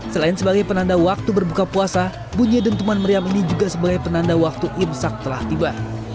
selain sebagai penanda waktu berbuka puasa bunyi dentuman meriam ini juga sebagai penanda waktu imsak telah tiba